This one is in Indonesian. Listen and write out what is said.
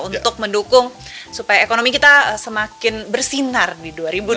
untuk mendukung supaya ekonomi kita semakin bersinar di dua ribu dua puluh